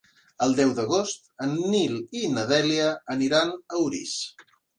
El deu d'agost en Nil i na Dèlia aniran a Orís.